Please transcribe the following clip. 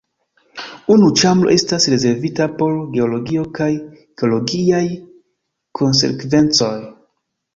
Unu ĉambro estas rezervita por geologio kaj geologiaj konsekvencoj.